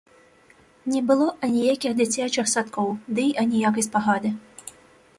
Не было аніякіх дзіцячых садкоў, дый аніякай спагады.